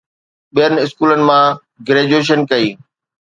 ٻين اسڪولن مان گريجوئيشن ڪئي؟